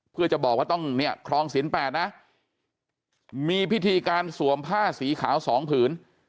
เพื่อจะบอกว่าต้องเนี่ยคลองศีล๘นะมีพิธีการสวมผ้าสีขาว๒ผืน